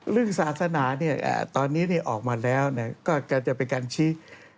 เรื่องศาสนานี่ตอนนี้นี่ออกมาแล้วก็จะเป็นการชี้